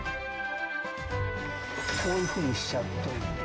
こういうふうにしちゃっといて。